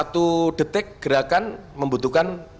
satu detik gerakan membutuhkan dua puluh lima gambar